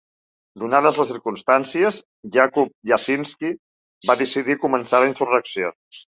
Donades les circumstàncies, Jakub Jasinski va decidir començar la insurrecció.